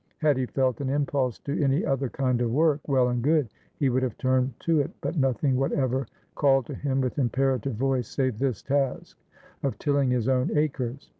Had he felt an impulse to any other kind of work, well and good, he would have turned to it; but nothing whatever called to him with imperative voice save this task of tilling his own acres.